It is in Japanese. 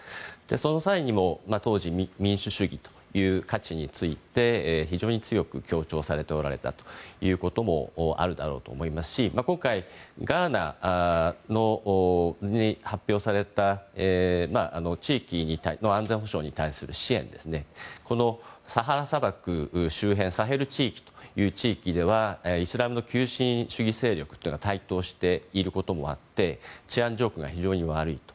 その際にも、当時民主主義という価値について非常に強く強調されておられたということもあるだろうと思いますし今回、ガーナに発表された地域の安全保障に対する支援ですが、サハラ砂漠周辺のサヘル地域という地域ではイスラムの急進主義勢力が台頭していることもあって治安状況が非常に悪いと。